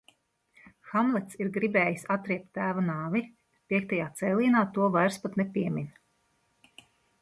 Hamlets ir gribējis atriebt tēva nāvi, bet piektajā cēlienā to vairs pat nepiemin.